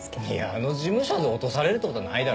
あの事務所で落とされるってことはないだろう。